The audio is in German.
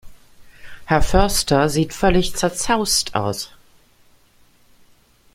Herr Förster sieht völlig zerzaust aus.